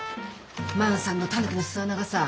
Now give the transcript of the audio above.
万さんのタヌキの巣穴がさ